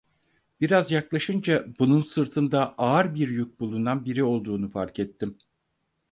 Biraz yaklaşınca, bunun, sırtında ağır bir yük bulunan biri olduğunu fark ettim.